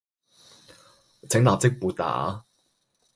請立即撥打